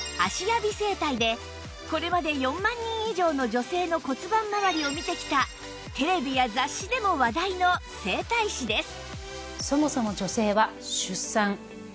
芦屋美整体でこれまで４万人以上の女性の骨盤まわりを見てきたテレビや雑誌でも話題の整体師です